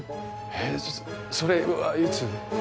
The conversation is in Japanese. へえそれはいつ？